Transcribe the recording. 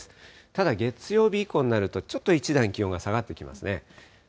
ただ月曜日以降になると、ちょっと一段気温が下がってきますね。